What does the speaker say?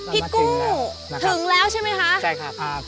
พี่กู้ถึงแล้วใช่ไหมคะพี่กู้ถึงแล้วนะครับใช่ค่ะ